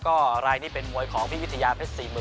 ก็รายนี้เป็นมวยของพี่วิทยาเพชร๔๐๐๐